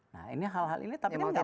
nah ini hal hal ini tapi kan gak mungkin